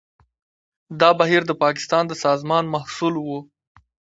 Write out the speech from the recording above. دا بهیر د پاکستان د سازمان محصول و.